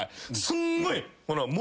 すんごい。